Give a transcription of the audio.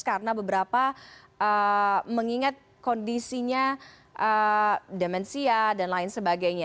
karena beberapa mengingat kondisinya demensia dan lain sebagainya